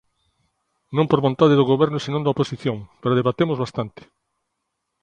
Non por vontade do Goberno senón da oposición, pero debatemos bastante.